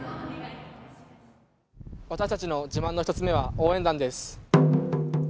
私たちの自慢の１つ目は応援団です。